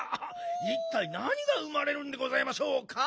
いったいなにが生まれるんでございましょうか？